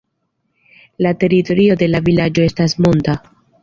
La teritorio de la vilaĝo estas monta.